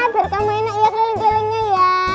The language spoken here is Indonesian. biar kamu enak ya keliling kelilingnya ya